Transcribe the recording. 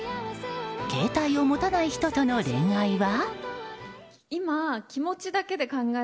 携帯を持たない人との恋愛は？